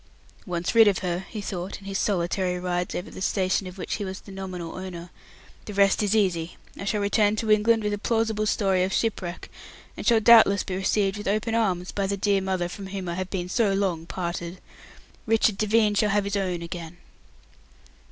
"Once rid of her," he thought, in his solitary rides over the station of which he was the nominal owner, "the rest is easy. I shall return to England with a plausible story of shipwreck, and shall doubtless be received with open arms by the dear mother from whom I have been so long parted. Richard Devine shall have his own again."